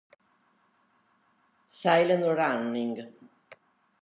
Silent Running